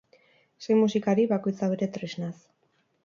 Sei musikari, bakoitza bere tresnaz.